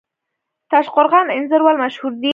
تاشقرغان انځر ولې مشهور دي؟